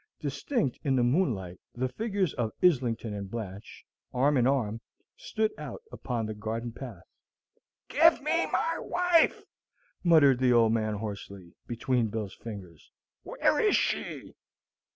Distinct in the moonlight the figures of Islington and Blanche, arm in arm, stood out upon the garden path. "Give me my wife!" muttered the old man hoarsely, between Bill's fingers. "Where is she?"